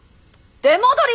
出戻り！